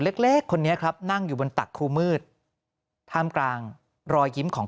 เล็กเล็กคนนี้ครับนั่งอยู่บนตักครูมืดท่ามกลางรอยยิ้มของ